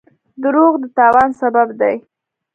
دروغ د تاوان سبب دی.